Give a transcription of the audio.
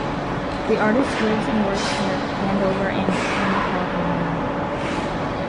The artist lives and works near Hanover and in California.